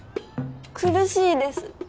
苦しいです。